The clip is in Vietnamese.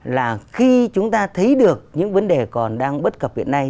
là khi chúng ta thấy được những vấn đề còn đang bất cập hiện nay